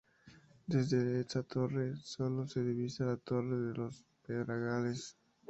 Desde esta torre sólo se divisa la Torre de los Pedregales.